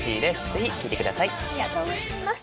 ぜひ聴いてください。